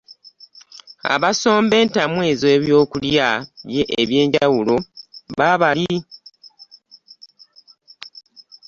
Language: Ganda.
Abasomba entamu ez'ebyokulya by'enjawulo baabali